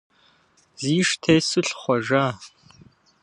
Зиш тесу лъыхъуэжа.